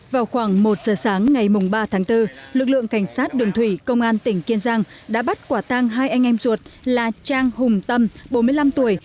vào khoảng một giờ sáng ngày ba tháng bốn lực lượng cảnh sát đường thủy công an tỉnh kiên giang đã bắt quả tang hai anh em ruột là trang hùng tâm bốn mươi năm tuổi